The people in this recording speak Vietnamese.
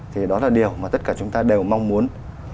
thì đó là điều mà tất cả chúng ta đều mong muốn